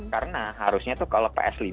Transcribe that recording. karena harusnya kalau ps lima